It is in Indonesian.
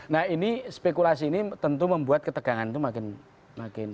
nah ini spekulasi ini tentu membuat ketegangan itu makin